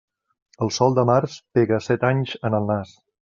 El sol de març pega set anys en el nas.